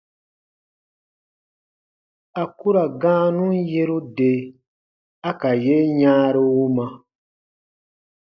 A ku ra gãanun yeru de a ka yen yãaru wuma.